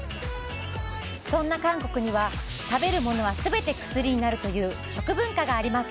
そんな韓国には食べるものはすべて薬になるという食文化があります